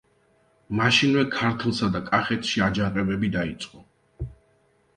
მაშინვე ქართლსა და კახეთში აჯანყებები დაიწყო.